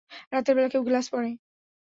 রাতের বেলা কেউ গ্লাস পড়ে?